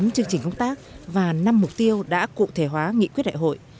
tám chương trình công tác và năm mục tiêu đã cụ thể hóa nghị quyết đại hội